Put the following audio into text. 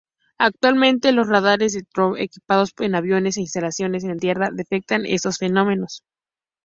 Actualmente los radares Doppler equipados en aviones e instalaciones en tierra detectan estos fenómenos.